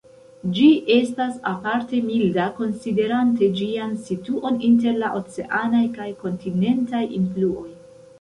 Ĝi estas aparte milda, konsiderante ĝian situon inter la oceanaj kaj kontinentaj influoj.